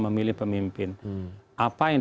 memilih pemimpin apa yang